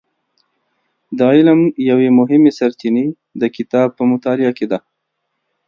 د علم یوې مهمې سرچینې د کتاب په مطالعه کې ده.